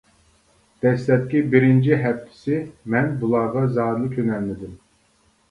دەسلەپكى بىرىنچى ھەپتىسى مەن بۇلارغا زادىلا كۆنەلمىدىم.